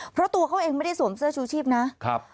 เพราะตัวเขาเองไม่ได้สวมเสื้อชูชีพนะครับ